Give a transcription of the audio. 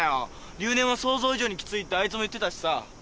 留年は想像以上にきついってあいつも言ってたしさ。